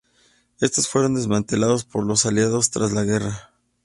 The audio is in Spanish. Estos fueron desmantelados por los Aliados tras la guerra.